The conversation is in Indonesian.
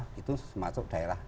di situ daerah